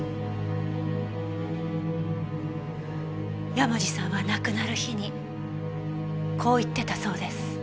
山路さんは亡くなる日にこう言ってたそうです。